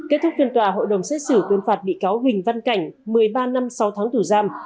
kết thúc phiên tòa hội đồng xét xử tuyên phạt bị cáo huỳnh văn cảnh một mươi ba năm sáu tháng tù giam